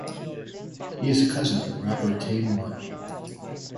He is a cousin of rapper Tame One.